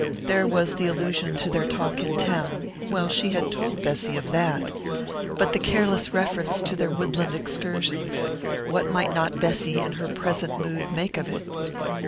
There was the allusion to their talk in town well, she had told Bessy of that! But the careless reference to their woodland excursions what might not Bessy, in her present mood, make of it?